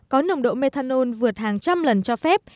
có nồng độ methanol vượt hàng trăm lần cho phép